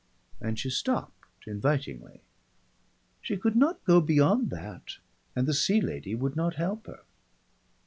And she stopped invitingly.... She could not go beyond that and the Sea Lady would not help her.